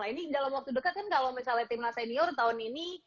ini dalam waktu dekat kan kalau misalnya tim nasenior tahun ini